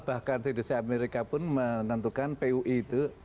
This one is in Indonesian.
bahkan cdc amerika pun menentukan pui itu